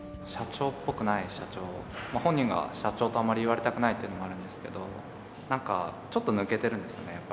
社長っぽくない社長本人が社長とあまり言われたくないというのもあるんですけど何かちょっと抜けてるんですよね